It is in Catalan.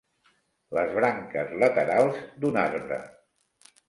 Les branques laterals d'un arbre.